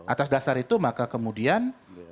atas dasar itu maka kemudian